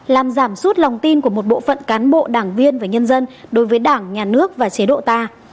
làm giảm suốt lòng tin của một bộ phận cán bộ đảng viên và nhân dân đối với đảng nhà nước và chế độ ta